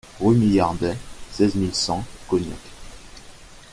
Rue Millardet, seize mille cent Cognac